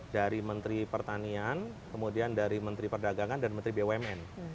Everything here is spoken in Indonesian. dari menteri pertanian kemudian dari menteri perdagangan dan menteri bumn